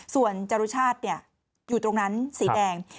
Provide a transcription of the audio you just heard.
ส่วนจรุชาติอยู่ตรงนั้นสีแดง